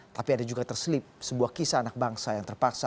tapi ada juga terselip sebuah kisah anak bangsa yang terpaksa